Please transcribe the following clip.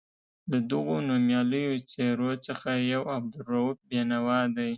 له دغو نومیالیو څېرو څخه یو عبدالرؤف بېنوا دی.